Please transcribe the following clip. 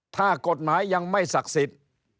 ถ้ากฎหมายยังไม่ศักดิ์สิทธิ์